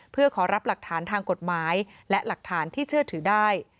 เพื่อขอรับหลักฐานทางกฎหมายและหลักฐานที่เชื่อถือได้